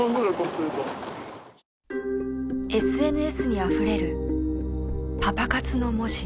ＳＮＳにあふれる「パパ活」の文字。